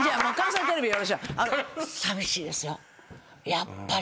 やっぱり。